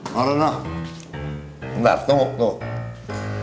mbak rono enggak tunggu tunggu